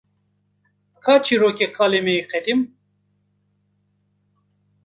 Ka çîrokê kalê me yê qedîm?